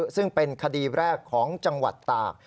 ซึ่งเป็นคดีแรกของจังหวัดตาก